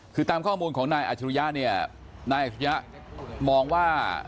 คือตามข้อมูลของนายอัจฉริยะเนี่ยนายอัชริยะมองว่า